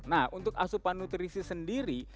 nah untuk asupan nutrisi sendiri